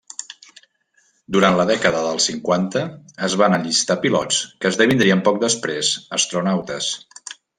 Durant la dècada dels cinquanta es van allistar pilots que esdevindrien poc després astronautes.